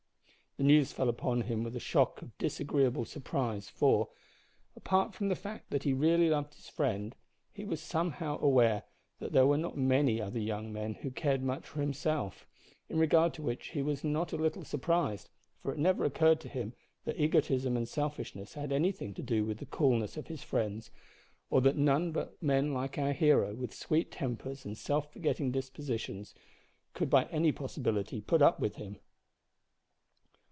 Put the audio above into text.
The news fell upon him with a shock of disagreeable surprise, for, apart from the fact that he really loved his friend, he was somehow aware that there were not many other young men who cared much for himself in regard to which he was not a little surprised, for it never occurred to him that egotism and selfishness had anything to do with the coolness of his friends, or that none but men like our hero, with sweet tempers and self forgetting dispositions, could by any possibility put up with him.